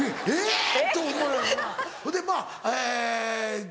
えっ？